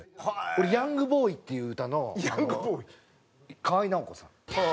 俺『ヤング・ボーイ』っていう歌の河合奈保子さん。